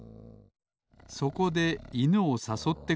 そこでいぬをさそってください